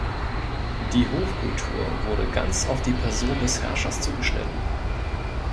Die Hofkultur wurde ganz auf die Person des Herrschers zugeschnitten.